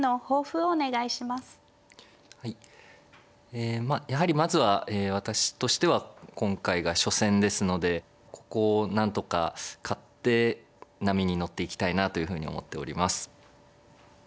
ええやはりまずは私としては今回が初戦ですのでここをなんとか勝って波に乗っていきたいなというふうに思っております。